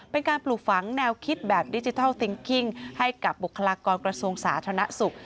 เป็นการปลูกฝังแนวคิดแบบดิจิทัลติ้งกิ้งให้กับบุคลากรกระทรวงสาธารณสุข